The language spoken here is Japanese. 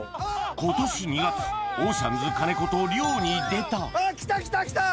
今年２月オーシャンズ金子と漁に出た来た来た来た！